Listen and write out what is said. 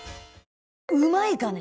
うまいかね？